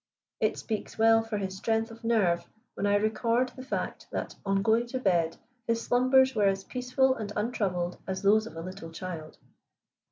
It speaks well for his strength of nerve when I record the fact that on going to bed his slumbers were as peaceful and untroubled as those of a little child.